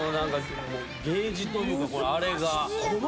ゲージというかあれが。